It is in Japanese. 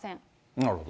なるほど。